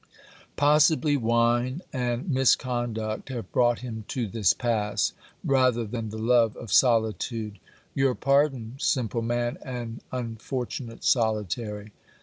Possibly wine and misconduct have brought him to this pass, rather than the love of solitude. Your pardon, simple man and unfortunate solitary